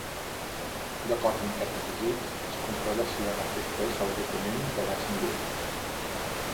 D'acord amb aquest requisit, es comprova si hi ha defectes al document de baix nivell.